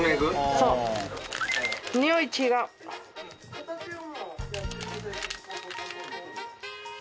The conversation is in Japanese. そうにおい違う。